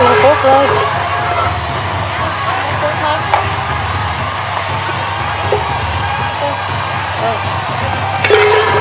ลุกลุก